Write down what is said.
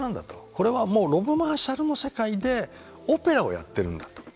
これはもうロブ・マーシャルの世界でオペラをやってるんだと。